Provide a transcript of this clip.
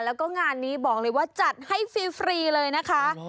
แล้วก็งานนี้บอกเลยว่าจัดให้ฟรีเลยนะคะ